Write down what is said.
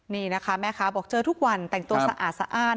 นี่นะคะแม่ค้าบอกเจอทุกวันแต่งตัวสะอาดสะอ้าน